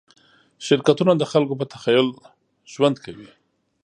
شرکتونه د خلکو په تخیل ژوند کوي.